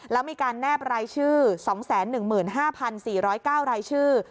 แล้วมีการแนบรายชื่อ๒๑๕๔๐๙รายชื่อ